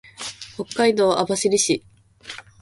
北海道網走市